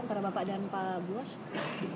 antara bapak dan pak buas